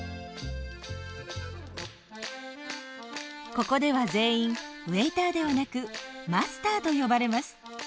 ここでは全員ウエイターではなくマスターと呼ばれます。